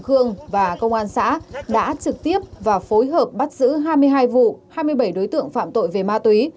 khương và công an xã đã trực tiếp và phối hợp bắt giữ hai mươi hai vụ hai mươi bảy đối tượng phạm tội về ma túy